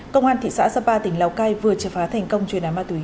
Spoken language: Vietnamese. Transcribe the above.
công an thị xã sapa tỉnh lào cai vừa trở phá thành công truyền án ma túy